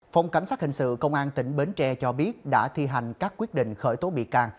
phòng cảnh sát hình sự công an tỉnh bến tre cho biết đã thi hành các quyết định khởi tố bị can